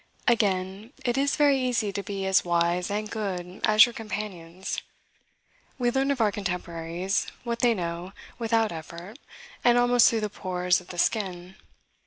Again; it is very easy to be as wise and good as your companions. We learn of our contemporaries, what they know, without effort, and almost through the pores of the skin.